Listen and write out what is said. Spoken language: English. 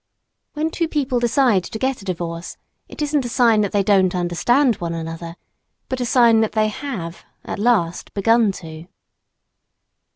When two people decide to get a divorce, it isn't a sign that they "don't understand" one another, but a sign that they have, at last, begun to.